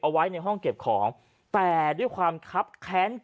ชาวบ้านญาติโปรดแค้นไปดูภาพบรรยากาศขณะ